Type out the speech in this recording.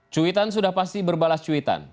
cuitan sudah pasti berbalas cuitan